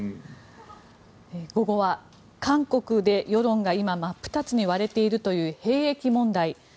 午後は韓国で世論が今、真っ二つに割れているという兵役問題。